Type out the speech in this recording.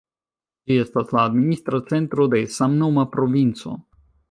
Ĝi estas la administra centro de samnoma provinco.